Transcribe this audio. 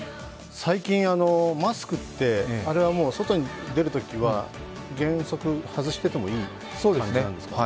最近、マスクって、あれはもう外に出るときは原則外してもいいという感じなんですか？